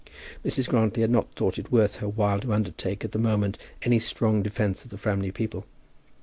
Mrs. Grantly had not thought it worth her while to undertake at the moment any strong defence of the Framley people.